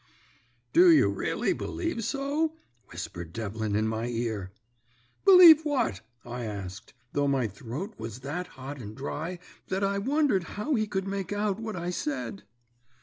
"'Do you really believe so?' whispered Devlin in my ear. "'Believe what?' I asked, though my throat was that hot and dry that I wondered how he could make out what I said.